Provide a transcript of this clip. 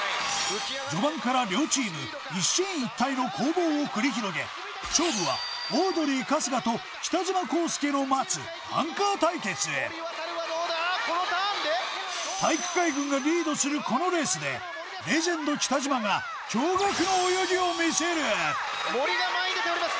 序盤から両チームを繰り広げ勝負はオードリー春日と北島康介の待つアンカー対決へするこのレースでレジェンド北島がを見せる森が前に出ております